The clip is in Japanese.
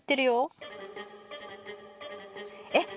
えっ